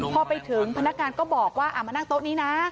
พอไปถึงพนักงานก็บอกว่ามานั่งโต๊ะนี้นะ